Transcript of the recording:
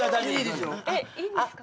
いいんですか？